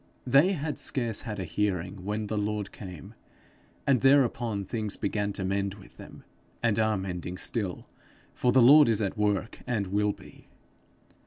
They had scarce had a hearing when the Lord came; and thereupon things began to mend with them, and are mending still, for the Lord is at work, and will be.